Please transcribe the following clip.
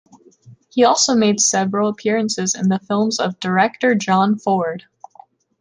He also made several appearances in the films of director John Ford.